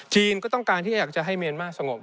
จีนก็ต้องการที่จะอยากให้เมียนมาสงบ